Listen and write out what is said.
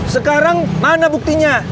sekarang mana buktinya